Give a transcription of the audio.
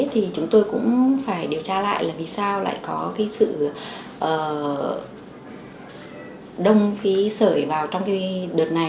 thì chúng tôi cũng phải điều tra lại là vì sao lại có sự đông sởi vào trong đợt này